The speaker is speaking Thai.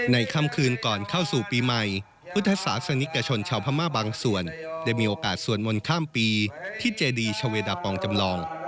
ค่ำคืนก่อนเข้าสู่ปีใหม่พุทธศาสนิกชนชาวพม่าบางส่วนได้มีโอกาสสวดมนต์ข้ามปีที่เจดีชาเวดาปองจำลอง